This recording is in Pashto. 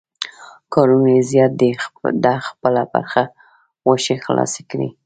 کارونه یې زیات دي، ده خپله برخه غوښې خلاصې کړې.